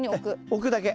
置くだけ。